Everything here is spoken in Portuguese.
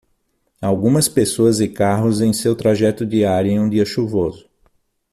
Algumas pessoas e carros em seu trajeto diário em um dia chuvoso.